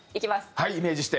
はいイメージして。